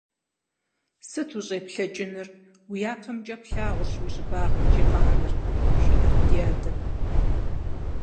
– Сыт ущӀеплъэкӀынур? Уи япэмкӀэ плъэгъуарщ уи щӀыбагъымкӀи къэнар, - жиӏэрт ди адэм.